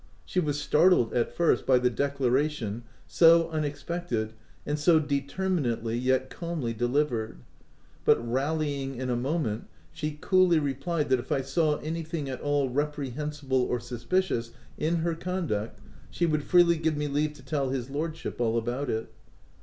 She was startled at first, by the declaration, so unexpected, and so determinately yet calmly delivered ; but rallying in a moment, she coolly replied that if I saw anything at all reprehensible or suspicious in her conduct, she would freely give me leave to tell his lordship all about it.